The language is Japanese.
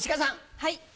はい。